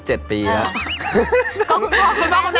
ก็คุณพ่อคุณแม่